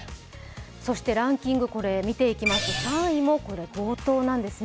そしてランキング見ていきますと、３位も強盗なんですね。